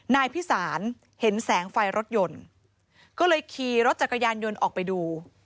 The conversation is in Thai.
นายพิสารเห็นแสงไฟรถยนต์ก็เลยขี่รถจักรยานยนต์ออกไปดู